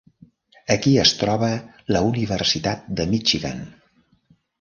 Aquí es troba la Universitat de Michigan.